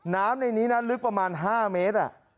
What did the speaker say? น้ำในนี้นะลึกประมาณ๕เมตร